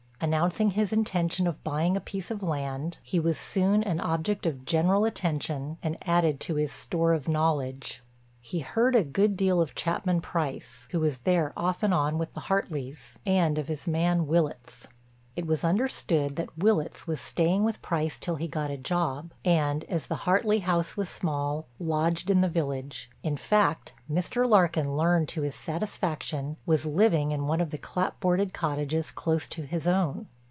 Announcing his intention of buying a piece of land, he was soon an object of general attention and added to his store of knowledge. He heard a good deal of Chapman Price, who was there off and on with the Hartleys, and of his man Willitts. It was understood that Willitts was staying with Price till he got a job, and, as the Hartley house was small, lodged in the village; in fact, Mr. Larkin learned to his satisfaction, was living in one of the clapboarded cottages close to his own.